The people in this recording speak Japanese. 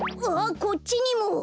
あっこっちにも！